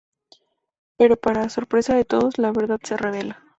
Pero para sorpresa de todos, la verdad se revela.